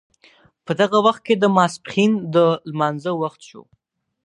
په دغه وخت کې د ماپښین لمانځه وخت شو.